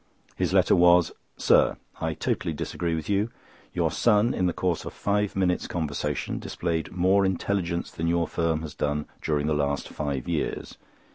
His letter was: "Sir,—I totally disagree with you. Your son, in the course of five minutes' conversation, displayed more intelligence than your firm has done during the last five years.